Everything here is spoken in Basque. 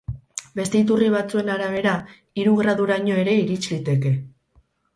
Beste iturri batzuen arabera, hiru graduraino ere irits liteke.